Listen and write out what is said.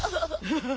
ハハハハ！